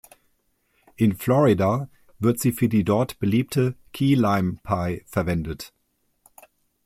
In Florida wird sie für die dort beliebte Key Lime Pie verwendet.